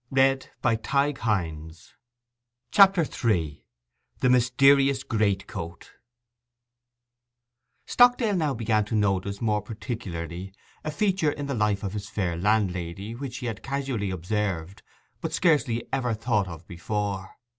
CHAPTER III—THE MYSTERIOUS GREATCOAT Stockdale now began to notice more particularly a feature in the life of his fair landlady, which he had casually observed but scarcely ever thought of before.